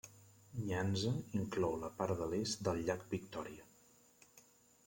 Nyanza inclou la part de l'est del llac Victòria.